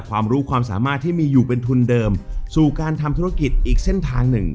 ความรู้ความสามารถที่มีอยู่เป็นทุนเดิมสู่การทำธุรกิจอีกเส้นทางหนึ่ง